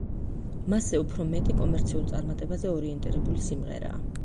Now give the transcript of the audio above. მასზე უფრო მეტი კომერციულ წარმატებაზე ორიენტირებული სიმღერაა.